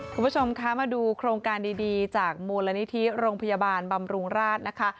คุณผู้ชมคะมาดูโครงการดีจากมูลนิธิโรงพยาบาลบำรุงราชนะคะ